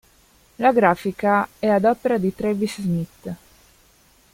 La grafica è ad opera di Travis Smith.